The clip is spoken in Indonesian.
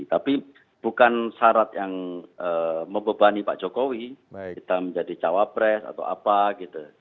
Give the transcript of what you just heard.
tapi bukan syarat yang membebani pak jokowi kita menjadi cawapres atau apa gitu